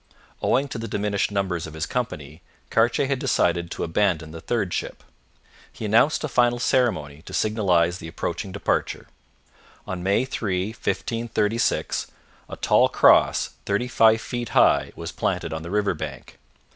Owing to the diminished numbers of his company, Cartier had decided to abandon the third ship. He announced a final ceremony to signalize the approaching departure. On May 3, 1536, a tall cross, thirty five feet high was planted on the river bank.